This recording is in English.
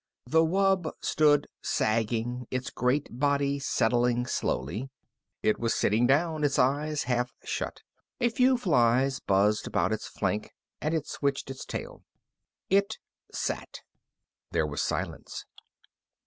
The wub stood sagging, its great body settling slowly. It was sitting down, its eyes half shut. A few flies buzzed about its flank, and it switched its tail. It sat. There was silence.